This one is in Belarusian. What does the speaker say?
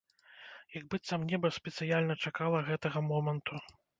Як быццам неба спецыяльна чакала гэтага моманту.